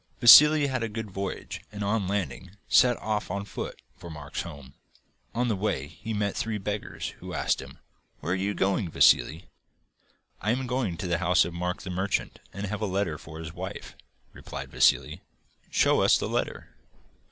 Vassili had a good voyage, and on landing set off on foot for Mark's home. On the way he met three beggars, who asked him: 'Where are you going, Vassili?' 'I am going to the house of Mark the Merchant, and have a letter for his wife,' replied Vassili. 'Show us the letter.